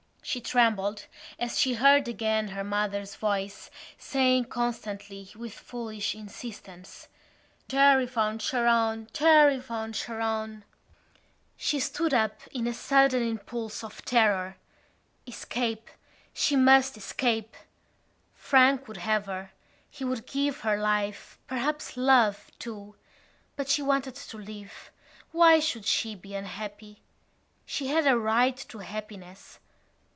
She trembled as she heard again her mother's voice saying constantly with foolish insistence: "Derevaun Seraun! Derevaun Seraun!" She stood up in a sudden impulse of terror. Escape! She must escape! Frank would save her. He would give her life, perhaps love, too. But she wanted to live. Why should she be unhappy? She had a right to happiness.